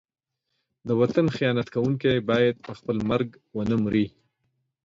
د وطن خیانت کوونکی باید په خپل مرګ ونه مري.